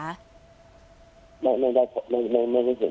ไม่ได้พบเพราะเจ้าหน้าที่เขาออกไปพิเศษไว้ตอน